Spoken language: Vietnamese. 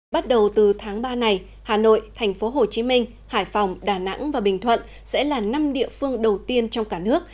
bắt đầu từ tháng ba này hà nội tp hcm hải phòng đà nẵng và bình thuận sẽ là năm địa phương đầu tiên trong cả nước